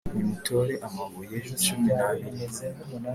ubategeke uti Nimutore amabuye cumi n abiri